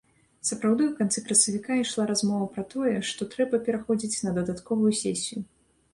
Сапраўды, у канцы красавіка ішла размова пра тое, што трэба пераходзіць на дадатковую сесію.